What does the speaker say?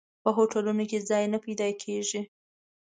په هوټلونو کې ځای نه پیدا کېږي.